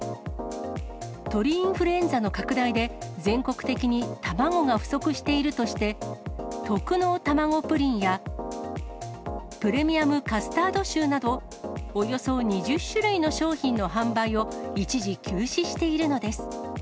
鳥インフルエンザの拡大で、全国的に卵が不足しているとして、特濃たまごプリンや、プレミアムカスタードシューなど、およそ２０種類の商品の販売を一時休止しているのです。